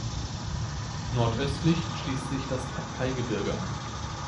Nordöstlich schließt sich das Patkai-Gebirge an.